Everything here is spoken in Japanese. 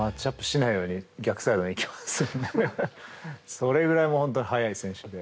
それくらい本当に速い選手で。